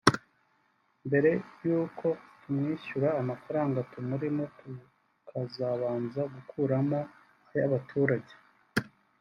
mbere y’uko tumwishyura amafaranga tumurimo tukazabanza gukuramo ay’abaturage